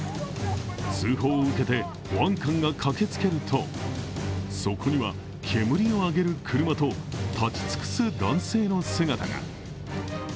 通報を受けて保安官が駆けつけるとそこには、煙を上げる車と立ち尽くす男性の姿が。